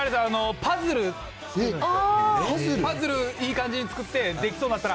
パズル、いい感じに作って、出来そうになったら。